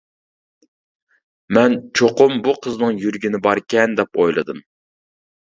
مەن چوقۇم بۇ قىزنىڭ يۈرگىنى باركەن دەپ ئويلىدىم.